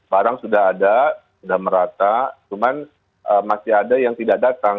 barang sudah ada sudah merata cuman masih ada yang tidak datang